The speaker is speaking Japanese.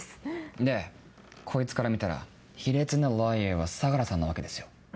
でこいつから見たら「卑劣なＬｉａｒ」は相良さんなわけですよ。